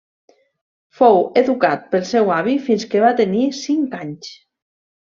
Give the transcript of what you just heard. Fou educat pel seu avi fins que va tenir cinc anys.